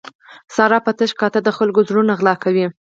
ساره په تش کاته د خلکو زړونه غلا کوي.